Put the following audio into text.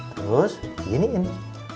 terus begini ini